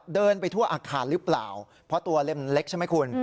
เดินไปทั่วอาคารหรือเปล่าเพราะตัวเล่มเล็กใช่ไหมคุณ